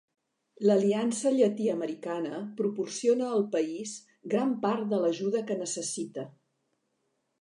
L"aliança llatí-americana proporciona al país gran part de l"ajuda que necessita.